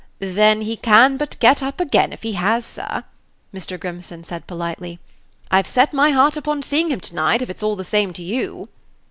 "Then he can but get up again, if he has, sir," Mr. Grimstone said, politely. "I've set my heart upon seeing him to night, if it's all the same to you."